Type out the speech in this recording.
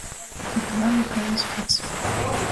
Tik lelu kai jis pats.